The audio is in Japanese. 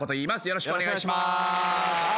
よろしくお願いします。